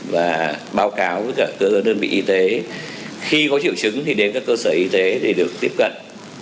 và báo cáo với cả cơ đơn vị y tế khi có triệu chứng thì đến các cơ sở y tế để được tiếp cận